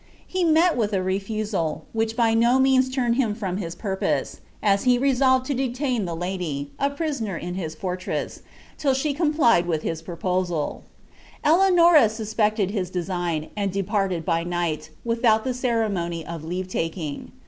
Jle met with a refusal, whii . by no means turned him from his purpose, as he resolved to ilctam tbt lady, n prisoner in his fortress, till she complied with liis propoaL Eleanora saspected his design, and departed by night, without tlie nn l mony of leave taking.